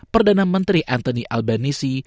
perdana menteri anthony albanese